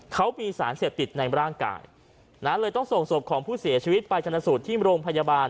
เขามีสารเสพติดในร่างกายนะเลยต้องส่งศพของผู้เสียชีวิตไปชนสูตรที่โรงพยาบาล